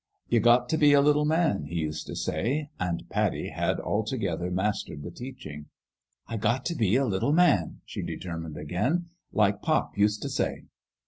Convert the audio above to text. "You got t' be a little man," he used to say ; and Pattie had altogether mastered the teaching. "I got t' be a little man," she determined, again, " like pop used t' say."